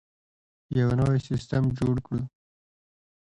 یو نوی سیستم جوړ کړو.